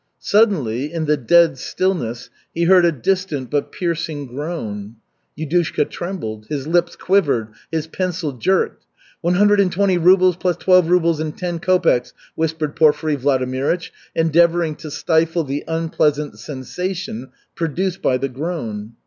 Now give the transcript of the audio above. Suddenly, in the dead stillness he heard a distant but piercing groan. Yudushka trembled, his lips quivered, his pencil jerked. "One hundred and twenty rubles plus twelve rubles and ten kopeks," whispered Porfiry Vladimirych, endeavoring to stifle the unpleasant sensation produced by the groan.